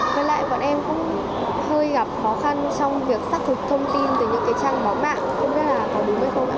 với lại bọn em cũng hơi gặp khó khăn trong việc xác thực thông tin từ những cái trang báo mạng không biết là có đúng hay không